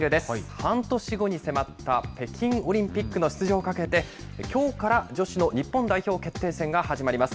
半年後に迫った北京オリンピックの出場をかけて、きょうから女子の日本代表決定戦が始まります。